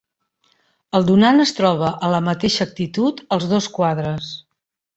El donant es troba a la mateixa actitud als dos quadres.